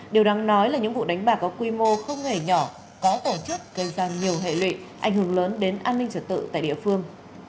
điều đáng nói là những vụ đánh bạc có quy mô không hề nhỏ có tổ chức gây ra nhiều hệ lụy ảnh hưởng lớn đến an ninh trật tự tại địa phương